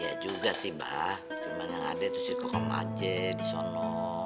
ya juga sih mbah cuma yang adik tuh situ ke rumah aja di sana